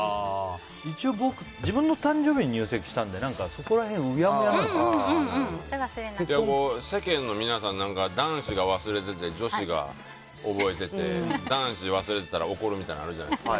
一応、僕自分の誕生日に入籍したので世間の皆さん、男子が忘れてて女子が覚えてて男子忘れてたら怒るみたいなのあるじゃないですか。